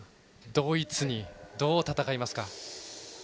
ドイツにどう戦いますか？